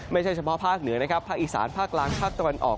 เฉพาะภาคเหนือนะครับภาคอีสานภาคกลางภาคตะวันออก